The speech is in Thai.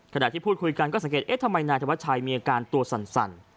ขณะที่พูดคุยกันก็สังเกตเอ๊ะทำไมนายธวัชชัยมีอาการตัวสั่น